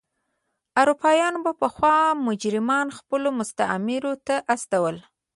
اروپایانو به پخوا مجرمان خپلو مستعمرو ته استول.